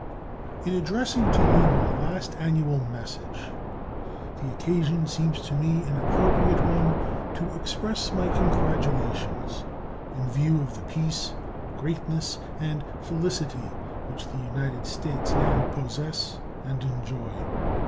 In addressing to you my last annual message the occasion seems to me an appropriate one to express my congratulations, in view of the peace, greatness, and felicity which the United States now possess and enjoy.